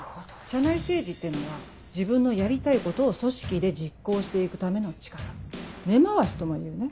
社内政治ってのは自分のやりたいことを組織で実行して行くための力根回しともいうね。